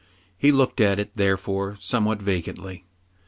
He looked at it, therefore, somewhat vacantly.